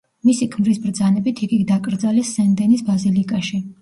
მისი ქმრის ბრძანებით იგი დაკრძალეს სენ დენის ბაზილიკაში.